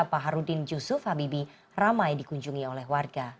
pak harudin yusuf habibie ramai dikunjungi oleh warga